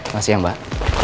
masih ya mbak